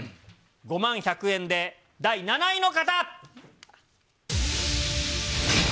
５万１００円で、第７位の方。